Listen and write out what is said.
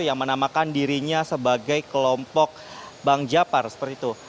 yang menamakan dirinya sebagai kelompok bang japar seperti itu